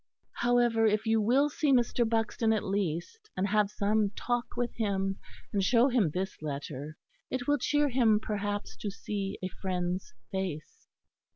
However, if you will see Mr. Buxton at least, and have some talk with him, and show him this letter, it will cheer him perhaps to see a friend's face."